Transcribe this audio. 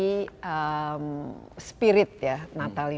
tapi kita bicarak asli